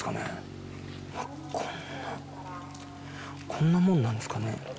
こんなもんなんですかね。